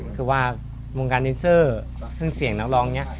คือว่าวงการดินเซอร์ซึ่งเสียงนักร้องเนี่ย